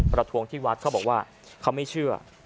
ประทวงที่วัดเขาบอกว่าเขาไม่เชื่อ